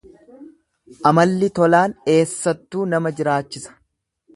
Amalli tolaan eessattuu nama jiraachisa.